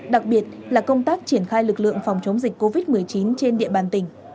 đặc biệt là công tác triển khai lực lượng phòng chống dịch covid một mươi chín trên địa bàn tỉnh